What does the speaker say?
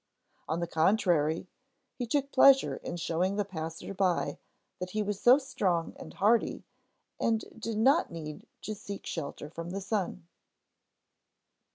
On the contrary, he took pleasure in showing the passers by that he was so strong and hardy and did not need to seek shelter from the sun.